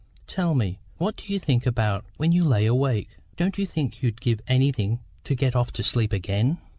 Tell me, what do you think about when you lay awake? Don't you think you'd give anything to get off to sleep again?